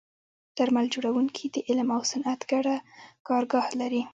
درمل جوړونکي د علم او صنعت ګډه کارګاه لري.